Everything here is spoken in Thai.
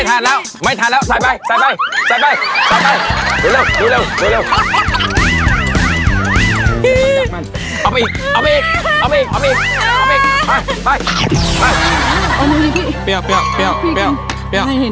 ทำไมไปเร็ว